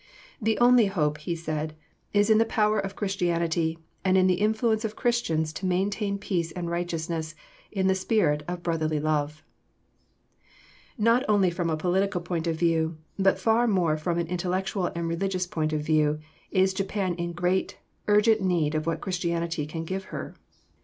"The only hope," he said, "is in the power of Christianity and in the influence of Christians to maintain peace and righteousness in the spirit of brotherly love." [Sidenote: Religious census in Imperial University.] Not only from a political point of view, but far more from an intellectual and religious point of view, is Japan in great, urgent need of what Christianity can give her.